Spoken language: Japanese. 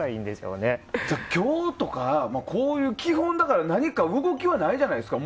今日とか、こういう基本だから何か動きはないじゃないですか。